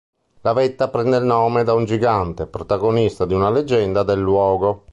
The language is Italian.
La vetta prende il nome da un gigante, protagonista di una leggenda del luogo.